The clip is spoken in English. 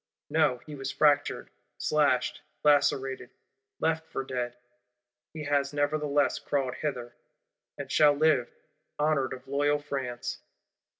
No, he was fractured, slashed, lacerated, left for dead; he has nevertheless crawled hither; and shall live, honoured of loyal France.